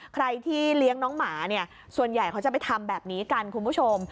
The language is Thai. ใครที่เลี้ยงน้องหมาเนี่ยส่วนใหญ่เขาจะไปทำแบบนี้กันคุณผู้ชม